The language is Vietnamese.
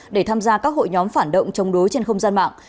để tham gia các hội nhóm phản động chống đối trên không gian mạng